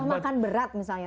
udah makan berat misalnya